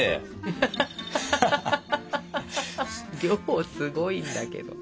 量すごいんだけど。